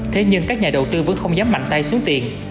thế nhưng các nhà đầu tư vẫn không dám mạnh tay xuống tiền